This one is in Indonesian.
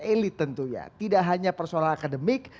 elit tentunya tidak hanya persoalan akademik